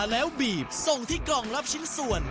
แล้วบีบส่งที่กล่องรับชิ้นส่วน